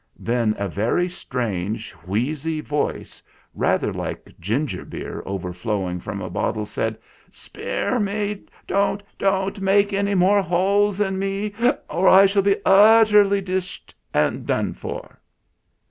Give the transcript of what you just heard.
Then a very strange wheezy voice rather like ginger beer overflowing from a bottle said : "Spare me! Don't, don't make any more holes in me or I shall be utterly dished and done for